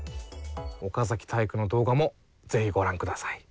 岡崎体育の動画もぜひご覧ください！